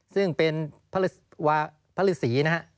ซึ่งเป็นพระฤาษี